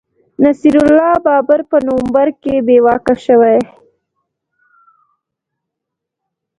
نصیر الله بابر په نومبر کي بې واکه شوی